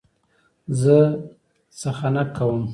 زه څخنک کوم.